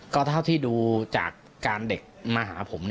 ก็เท่าที่ดูจากการเด็กมาหาผม